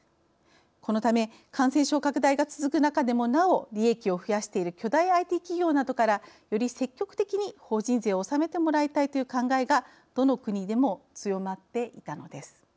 このため感染症拡大が続く中でもなお利益を増やしている巨大ＩＴ企業などからより積極的に法人税を納めてもらいたいという考えがどの国でも強まっていたのです。